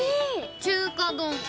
中華丼。